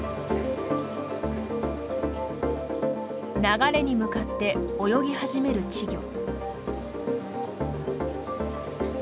流れに向かって泳ぎ始める稚魚。